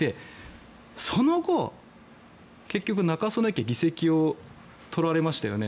その後、結局中曽根家議席を取られましたよね。